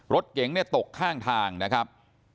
รถเก๋งตกข้างทางนะครับ